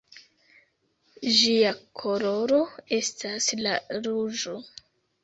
Ĝia koloro estas la ruĝo.